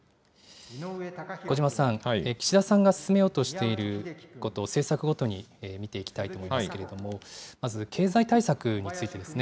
小嶋さん、岸田さんが進めようとしていることを政策ごとに見ていきたいと思いますけれども、まず経済対策についてですね。